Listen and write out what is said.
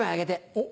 おっ！